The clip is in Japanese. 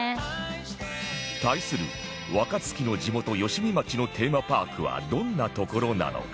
対する若槻の地元吉見町のテーマパークはどんな所なのか？